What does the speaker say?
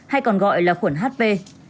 hay còn gọi là khuẩn hp